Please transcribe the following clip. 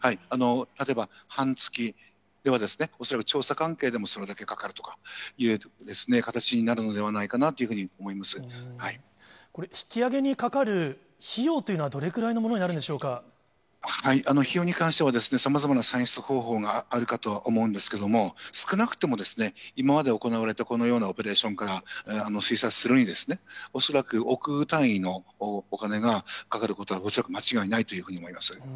例えば半月とか、恐らく調査関係でもそれだけかかるとかいう形になるのではないかこれ、引き揚げにかかる費用というのはどれくらいのものになるんでしょ費用に関しては、さまざまな算出方法があるかとは思うんですけれども、少なくともですね、今まで行われたこのようなオペレーションから推察するに、恐らく億単位のお金がかかることは恐らく間違いないと思います。